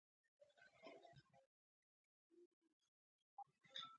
او لا دا چې یو ښه اوبه نارنج یې هم راته راکړ.